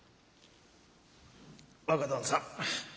若旦さん